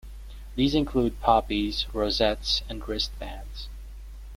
These include poppies, rosettes and wristbands.